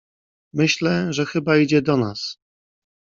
"Myślę, że chyba idzie do nas."